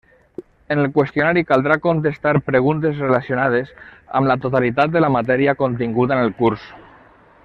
En el qüestionari caldrà contestar preguntes relacionades amb la totalitat de la matèria continguda en el curs.